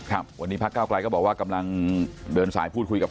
ครับวันนี้พระเก้าไกลก็บอกว่ากำลังเดินสายพูดคุยกับ